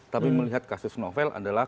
tapi melihat kasus novel adalah